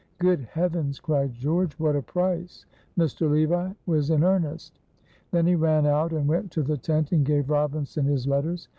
"Good Heavens," cried George, "what a price! Mr. Levi was in earnest." Then he ran out and went to the tent and gave Robinson his letters.